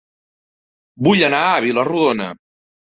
Vull anar a Vila-rodona